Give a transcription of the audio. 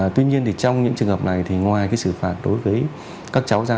tuy nhiên thì trong những trường hợp này thì ngoài cái xử phạt đối với các cháu ra